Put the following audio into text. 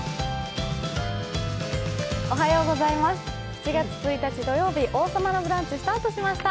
７月１日土曜日、「王様のブランチ」スタートしました。